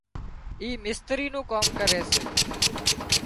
اي مستري نُون ڪام ڪري سي